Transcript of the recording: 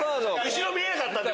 後ろ見えなかったんで。